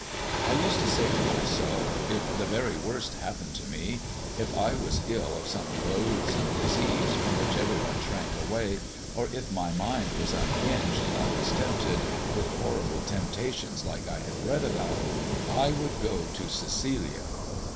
I used to say to myself, if the very worst happened to me, if I was ill of some loathsome disease from which everybody shrank away, or if my mind was unhinged and I was tempted with horrible temptations like I have read about, I would go to Cecilia.